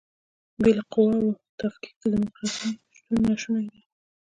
بې له قواوو تفکیک د دیموکراسۍ شتون ناشونی دی.